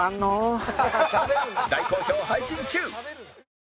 大好評配信中！